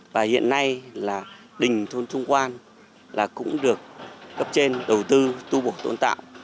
và hiện nay là đình thôn trung quan là cũng được cấp trên đầu tư tu bổ tôn tạo